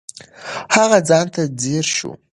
هغه ځان ته ځیر شو.